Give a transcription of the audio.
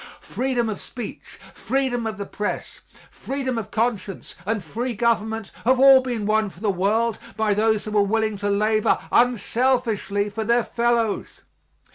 Freedom of speech, freedom of the press, freedom of conscience and free government have all been won for the world by those who were willing to labor unselfishly for their fellows.